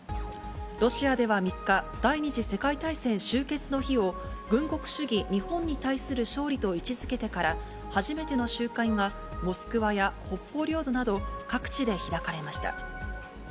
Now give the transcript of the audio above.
ロシアでは３日、第２次世界大戦終結の日を、軍国主義日本に対する勝利と位置づけてから、初めての集会が、モスクワや北方領土など、各地で開かれました。